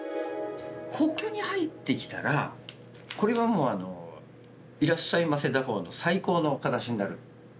ここに入ってきたらこれはもういらっしゃいませ打法の最高の形になる。